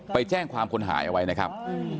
ไปแจ้งความคนหายเอาไว้นะครับ